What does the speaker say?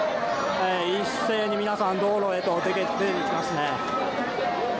一斉に皆さん、道路へと出ていきますね。